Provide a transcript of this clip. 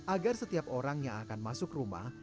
agar setiap orang yang akan masuk rumah